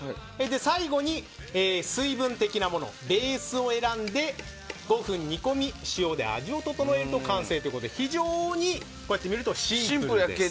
最後に水分的なものベースを選んで５分煮込み塩で味を調えると完成ということで非常にシンプルです。